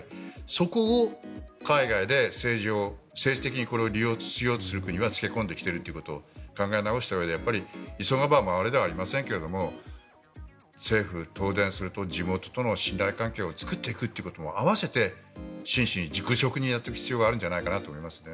そこを海外で政治的にこれを利用しようとする国が付け込もうとしていることを考え直したうえでやっぱり急がば回れではありませんが政府、東電それと地元との信頼関係を作っていくことも併せて真摯に愚直にやっていく必要があるんじゃないかなと思いますね。